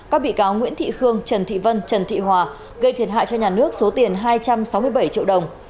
các bị cáo nguyễn thị khương trần thị vân trần thị hòa gây thiệt hại cho nhà nước số tiền hai trăm sáu mươi bảy triệu đồng